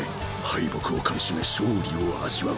敗北をかみしめ勝利を味わう。